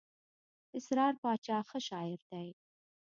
اسرار باچا ښه شاعر دئ.